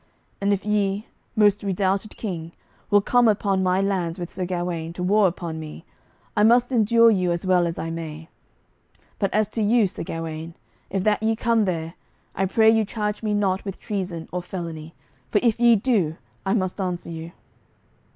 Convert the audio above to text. And if ye, most redoubted King, will come upon my lands with Sir Gawaine, to war upon me, I must endure you as well as I may. But as to you, Sir Gawaine, if that ye come there, I pray you charge me not with treason or felony, for if ye do, I must answer you."